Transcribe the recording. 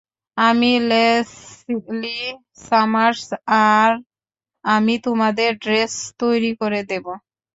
আমি Leslie Summers আর আমি তোমাদের ড্রেস তৈরি করে দেবো।